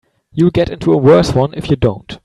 You'll get into a worse one if you don't.